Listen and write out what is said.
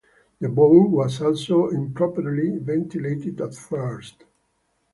The bore was also improperly ventilated at first.